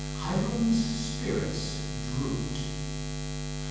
Hiram's spirits drooped.